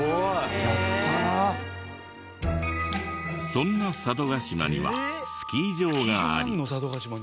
そんな佐渡島にはスキー場があり。